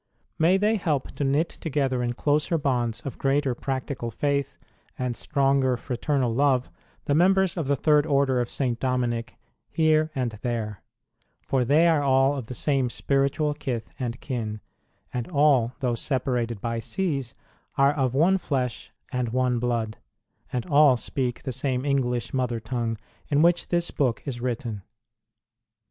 May they help to knit together in closer bonds of greater practical faith and stronger fraternal love the members of the Third Order of St. Dominic here and there ; for they are all of the same spiritual kith and kin, and all, though separated by seas, are of one flesh and one blood, and all speak the same English mother tongue in which this book is written.